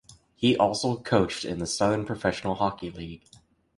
He also coached in the Southern Professional Hockey League.